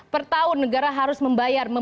pertahun negara harus membayar